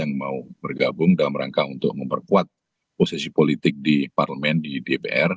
dan kita akan bergabung dalam rangka untuk memperkuat posisi politik di parlemen di dpr